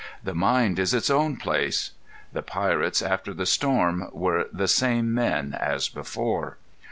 "The mind is its own place." The pirates after the storm were the same men as before.